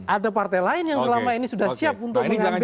ada partai lain yang selama ini sudah siap untuk mengambil